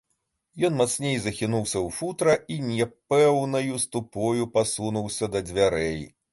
Ён мацней захінуўся ў футра і няпэўнаю ступою пасунуўся да дзвярэй.